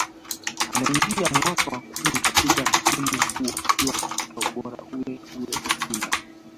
Anaingia mwaka wa kumi katika msimu huu akiwa katika ubora ule ule Simba